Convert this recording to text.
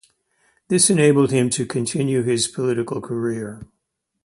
This enabled him to continue his political career.